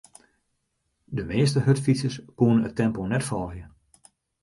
De measte hurdfytsers koene it tempo net folgje.